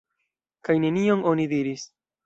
Kaj nenion oni diris.